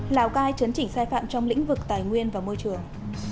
lào cai chấn chỉnh sai phạm trong lĩnh vực tài nguyên và môi trường